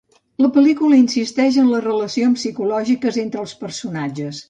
La pel·lícula insisteix en les relacions psicològiques entre els personatges.